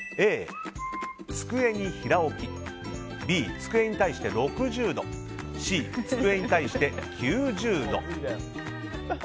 Ａ、机に平置きＢ、机に対して６０度Ｃ、机に対して９０度。